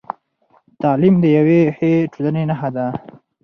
تعلیم د یوې ښې ټولنې نښه ده.